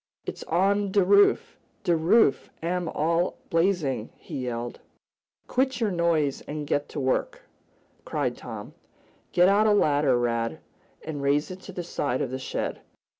"It's on de roof! De roof am all blazin'!" he yelled. "Quit your noise, and get to work!" cried Tom. "Get out a ladder, Rad, and raise it to the side of the shed.